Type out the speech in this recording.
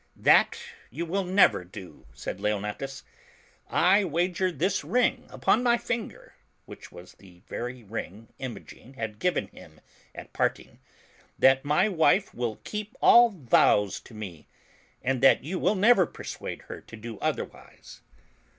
"That you will never do," said Leonatus. "I wager this ring upon my finger," which was the very ring Imogen had given him at parting, "that my wife will keep all vows to me, and that you will never persuade her to do otherwise."